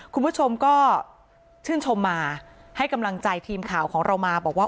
คุณผู้ชมก็ชื่นชมมาให้กำลังใจทีมข่าวของเรามาบอกว่า